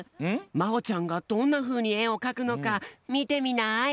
まほちゃんがどんなふうにえをかくのかみてみない？